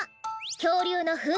きょうりゅうのふんせき。